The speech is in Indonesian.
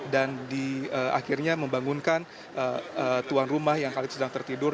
dan akhirnya membangunkan tuan rumah yang sedang tertidur